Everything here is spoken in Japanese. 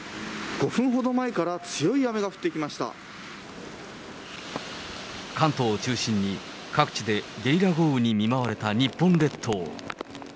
５分ほど前から強い雨が降ってき関東を中心に、各地でゲリラ豪雨に見舞われた日本列島。